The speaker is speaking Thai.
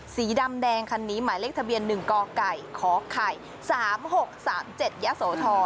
สีดำแดงคันนี้หมายเลขทะเบียน๑กก๓๖๓๗ยศ